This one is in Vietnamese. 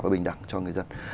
và bình đẳng cho người dân